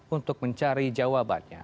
untuk mencari jawabannya